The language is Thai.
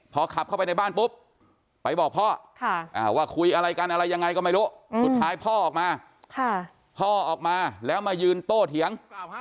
พอขับเข้าไปในบ้านปุ๊บไปบอกพ่อว่าคุยอะไรกันอะไรยังไงก็ไม่รู้สุดท้ายพ่อออกมาพ่อออกมาแล้วมายืนโต้เถียง